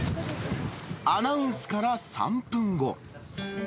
アナウンスから３分後。